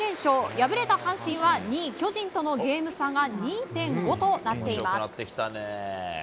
敗れた阪神は２位、巨人とのゲーム差が２．５となっています。